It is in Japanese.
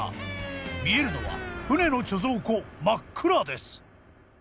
見えるのは船の貯蔵庫真っ暗です。